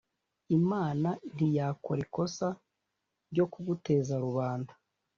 Imana ntiyakora ikosa ryokuguteza rubanda